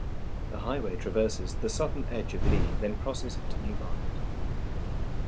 The highway traverses the southern edge of Lee, then crosses into Newmarket.